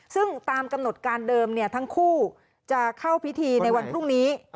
ซึ่งตามกำหนดการเดิมทั้งคู่จะเข้าพิธีในวันพรุ่งนี้